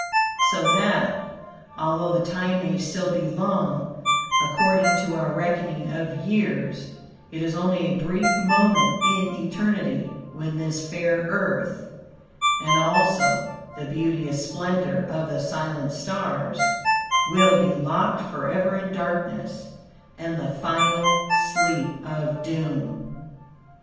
So that, although the time may still be long, according to our reckoning of years, it is only a brief moment in eternity when this fair Earth, and also the beauteous splendor of the silent stars, will be locked forever in darkness, and the final sleep of doom."